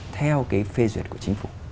theo cái phê duyệt của chính phủ